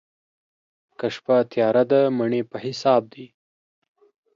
که شپه تياره ده، مڼې په حساب دي.